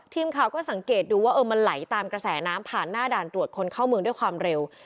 ทีมข่าวก็สังเกตดูว่ามันไหลตามกระแสน้ำผ่านหน้าด่านตรวจคนเข้าเมืองด้วยความเร็ว